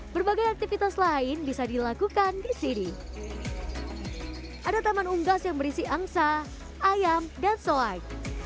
berbagai aktivitas lain bisa dilakukan di sini ada taman unggas yang berisi angsa ayam dan soai